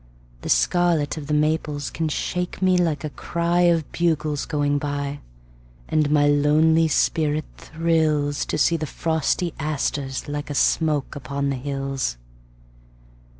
The scarlet of the maples can shake me like a cryOf bugles going by. And my lonely spirit thrillsTo see the frosty asters like a smoke upon the hills.